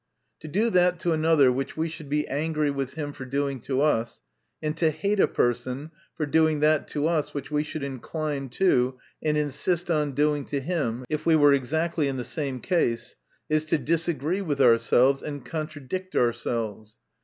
To do that to another, which we should be angry with him for doing to us, and to J ate a per 286 THE NATURE OF VIRTUE son for doihg that to us, which we should incline to, and insist on doing to hios if we were exactly in the same case, is to disagree with ourselves, and contra*, diet ourselves.